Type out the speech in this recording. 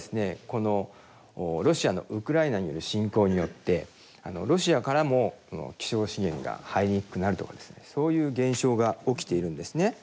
このロシアのウクライナへの侵攻によってロシアからも希少資源が入りにくくなるとかそういう現象が起きているんですね。